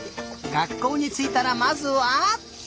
がっこうについたらまずは？